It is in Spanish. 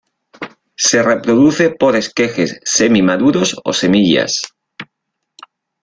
Se reproduce por esquejes semi-maduros o semillas.